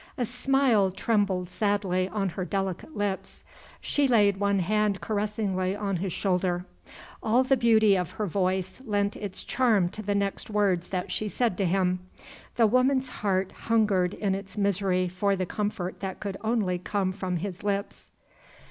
A smile trembled sadly on her delicate lips. She laid one hand caressingly on his shoulder. All the beauty of her voice lent its charm to the next words that she said to him. The woman's heart hungered in its misery for the comfort that could only come from his lips.